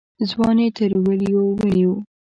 ځوان يې تر وليو ونيو.